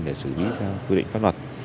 để xử lý theo quy định pháp luật